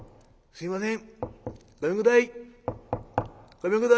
相すいません。